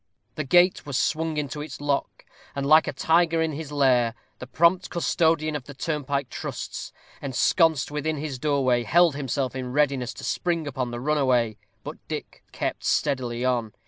The gate was swung into its lock, and, like a tiger in his lair, the prompt custodian of the turnpike trusts, ensconced within his doorway, held himself in readiness to spring upon the runaway. But Dick kept steadily on.